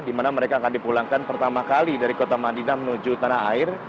di mana mereka akan dipulangkan pertama kali dari kota madinah menuju tanah air